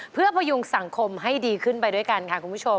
เพื่อพยุงสังคมให้ดีขึ้นไปด้วยกันค่ะคุณผู้ชม